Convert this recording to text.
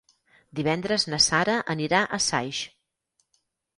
Divendres na Sara anirà a Saix.